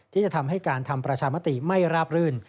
ที่จะทำให้การทำประชามติไม่ราบรื่น